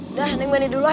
udah neng ganti dulu ah